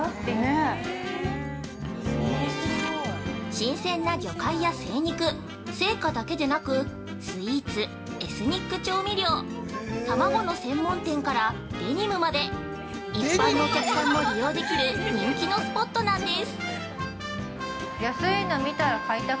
◆新鮮な魚介や精肉、青果だけでなくスイーツ、エスニック調味料卵の専門店からデニムまで一般のお客さんも利用できる人気のスポットなんです。